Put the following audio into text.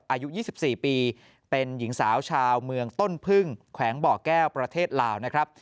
อายุ๒๔ปีเป็นหญิงสาวชาวเมืองต้นพึ่งแขวงบ่อแก้วประเทศลาวนะครับ